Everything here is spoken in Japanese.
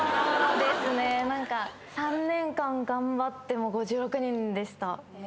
３年間頑張っても５６人でした。